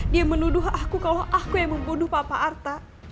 dia menuduh aku kalau aku yang membunuh papa arta